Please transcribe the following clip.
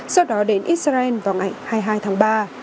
sau đó đến israel vào ngày hai mươi hai tháng ba